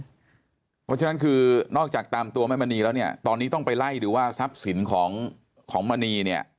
เพราะฉะนั้นคือนอกจากตามตัวแม่มณีแล้วเนี่ยตอนนี้ต้องไปไล่ดูว่าทรัพย์สินของมณีเนี่ย